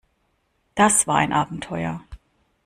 Das war ein Abenteuer.